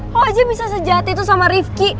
lo aja bisa sejahat itu sama rifki